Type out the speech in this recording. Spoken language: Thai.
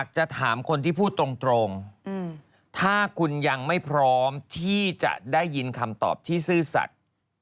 คำถามที่คุณไม่พร้อมที่จะได้ยินคำตอบที่ซื่อสัตว์